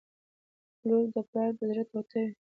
• لور د پلار د زړه ټوټه وي.